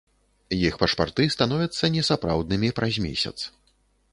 Іх пашпарты становяцца несапраўднымі праз месяц.